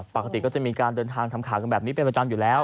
ปกติก็จะมีการเดินทางทำข่าวกันแบบนี้เป็นประจำอยู่แล้ว